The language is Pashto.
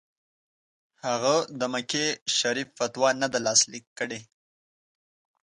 هغه د مکې شریف فتوا نه ده لاسلیک کړې.